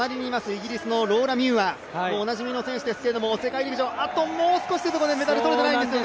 イギリスのローラ・ミューア、おなじみの選手ですけど世界陸上、あともう少しというところでメダルが取れていないんですよ。